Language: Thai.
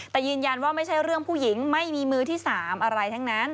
แต่ยืนยันว่าไม่ใช่เรื่องผู้หญิงไม่มีมือที่๓อะไรทั้งนั้น